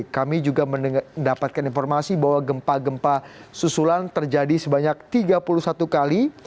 kami juga mendapatkan informasi bahwa gempa gempa susulan terjadi sebanyak tiga puluh satu kali